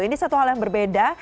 ini satu hal yang berbeda